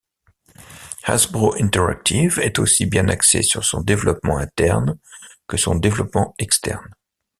Hasbro Interactive est aussi bien axé sur son développement interne que son développement externe.